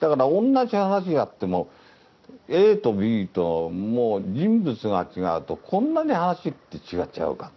だからおんなじはなしであっても、ＡとＢともう人物が違うと、こんなにはなしって違っちゃうか。